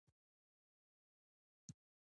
که میله وي نو خوښي نه کمېږي.